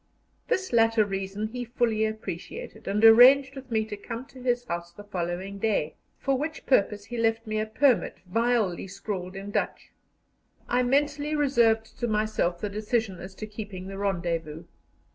This latter reason he fully appreciated, and arranged with me to come to his house the following day, for which purpose he left me a permit, vilely scrawled in Dutch. I mentally reserved to myself the decision as to keeping the rendezvous.